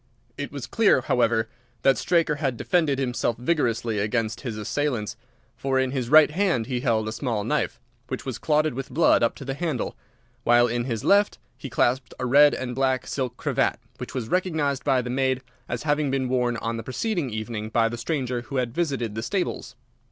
It was clear, however, that Straker had defended himself vigorously against his assailants, for in his right hand he held a small knife, which was clotted with blood up to the handle, while in his left he clasped a red and black silk cravat, which was recognised by the maid as having been worn on the preceding evening by the stranger who had visited the stables.